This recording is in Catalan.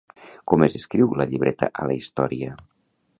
Com es descriu la llibreta a la història?